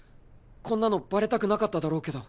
こんなのバレたくなかっただろうけど。